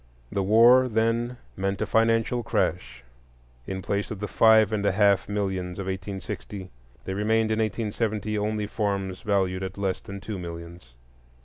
The war then meant a financial crash; in place of the five and a half millions of 1860, there remained in 1870 only farms valued at less than two millions.